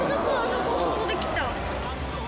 そこで来た。